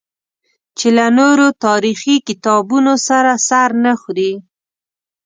چې له نورو تاریخي کتابونو سره سر نه خوري.